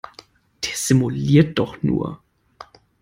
Der simuliert doch nur!